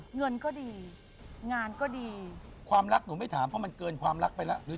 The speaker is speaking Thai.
อ่ะเงินก็ดีงานก็ดีความรักหนูไม่ถามบ้างเขื่อนความรักไปแล้ว